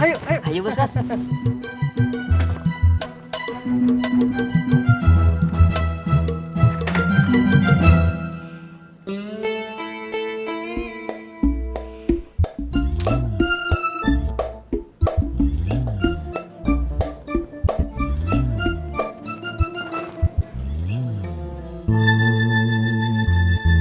masukkan ke dalam